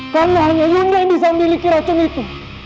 karena hanya yunda yang bisa memiliki racun itu